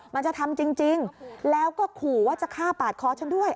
มันจะทำจริงแล้วก็ขู่ว่าจะฆ่าปาดคอฉันด้วย